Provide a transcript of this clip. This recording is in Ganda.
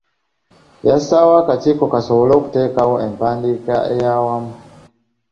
Yassaawo akakiiko kasobole okuteekawo empandiika ey’awamu.